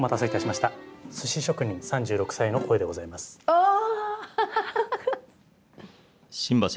ああ。